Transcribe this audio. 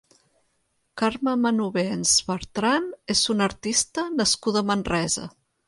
Carme Manubens Bertran és una artista nascuda a Manresa.